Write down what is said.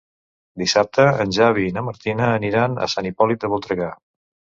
Dissabte en Xavi i na Martina aniran a Sant Hipòlit de Voltregà.